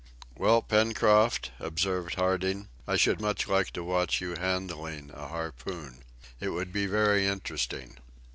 "Well, Pencroft," observed Harding, "I should much like to watch you handling a harpoon. It would be very interesting."